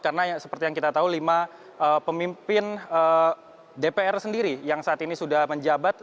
karena seperti yang kita tahu lima pemimpin dpr sendiri yang saat ini sudah menjabat